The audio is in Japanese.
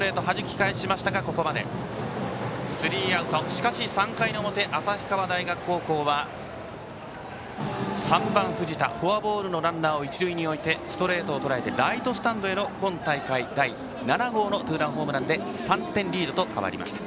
しかし３回の表旭川大学高校は３番の藤田フォアボールのランナーを一塁に置いてストレートをとらえてライトスタンドへの今大会第７号のツーランホームランで３点リードと変わりました。